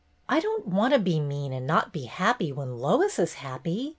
"I don't want to be mean and not be happy when Lois is happy.